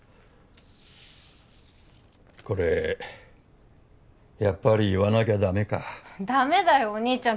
これやっぱり言わなきゃダメかダメだよお兄ちゃん